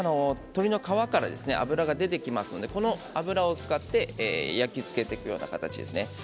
鶏の皮から脂が出てきますのでその脂を使って焼き付けていくような形ですね。